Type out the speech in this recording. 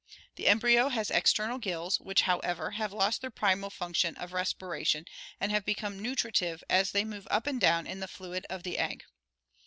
The embryo has external gills, which, however, have lost their primal function of respiration and have become nutritive as they move up and down in the fluid of the egg.